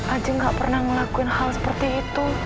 aduh enggak pernah ngelakuin hal seperti itu